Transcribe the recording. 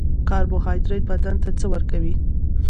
کاربوهایدریت بدن ته څه ورکوي